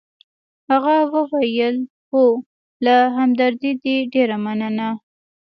هغه وویل: اوه، له همدردۍ دي ډېره مننه.